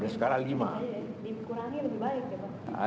dikurangi lebih baik ya pak